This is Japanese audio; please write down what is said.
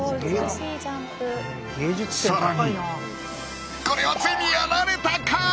更にこれはついにやられたか？